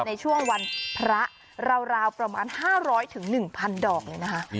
ในช่วงวันพระราวประมาณ๕๐๐๑๐๐ดอกเลยนะคะ